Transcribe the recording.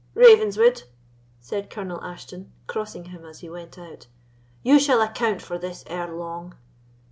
"Ravenswood," said Colonel Ashton, crossing him as he went out, "you shall account for this ere long."